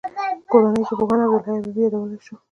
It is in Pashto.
کورنیو کې پوهاند عبدالحی حبیبي یادولای شو.